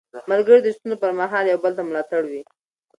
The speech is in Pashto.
ملګري د ستونزو پر مهال یو بل ته ملا تړ وي